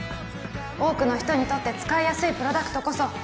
多くの人にとって使いやすいプロダクトこそ